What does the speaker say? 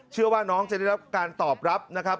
เชื่อว่าน้องจะได้รับการตอบรับนะครับ